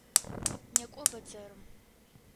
Некӏо бэдзэрым!